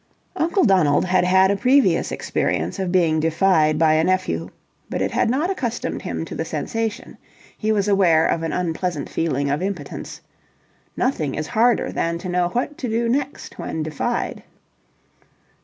Uncle Donald had had a previous experience of being defied by a nephew, but it had not accustomed him to the sensation. He was aware of an unpleasant feeling of impotence. Nothing is harder than to know what to do next when defied.